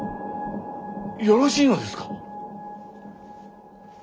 よろしいのですか。